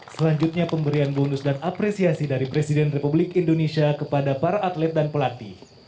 selanjutnya pemberian bonus dan apresiasi dari presiden republik indonesia kepada para atlet dan pelatih